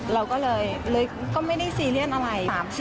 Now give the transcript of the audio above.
เราก็เลยก็ไม่ได้ซีเรียสอะไร